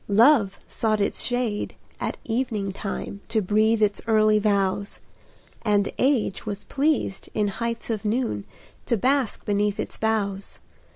Love sought its shade at evening time, To breathe its early vows; And Age was pleased, in heights of noon, To bask beneath its boughs.